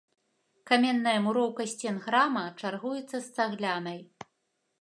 Каменная муроўка сцен храма чаргуецца з цаглянай.